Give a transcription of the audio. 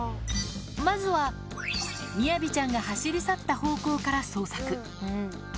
まずは、みやびちゃんが走り去った方向から捜索。